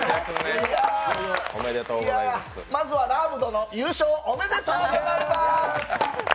まずは、ラーム殿、優勝おめでとうございます。